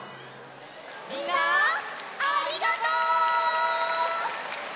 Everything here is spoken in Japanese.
みんなありがとう！